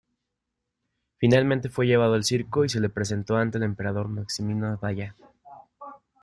Finalmente fue llevado al circo y se le presentó ante el emperador Maximino Daya.